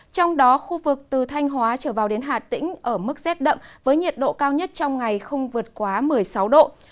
trong đó khu vực từ thanh hóa trở vào đến hà tĩnh ở mức rét đậm với nhiệt độ cao nhất trong ngày không vượt quá một mươi sáu độ